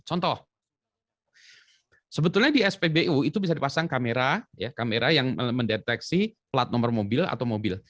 contoh sebetulnya di spbu itu bisa dipasang kamera ya kamera yang mendeteksi plat nomor mobil atau mobil